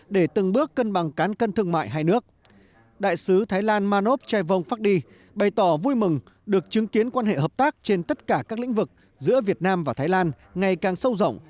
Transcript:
để từng bước cân bằng cán cân thương mại hai nước đại sứ thái lan manov trai vong facdi bày tỏ vui mừng được chứng kiến quan hệ hợp tác trên tất cả các lĩnh vực giữa việt nam và thái lan ngày càng sâu rộng